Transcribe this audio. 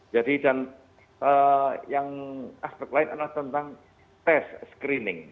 jadi dan yang aspek lain adalah tentang tes screening